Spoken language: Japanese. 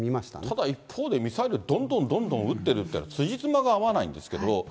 ただ一方で、ミサイルどんどんどんどん打ってるって、つじつまが合わないんですけど。